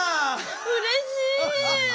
うれしい！